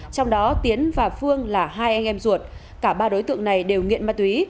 trong đó tiến và phương là hai anh em ruột cả ba đối tượng này đều nghiện ma túy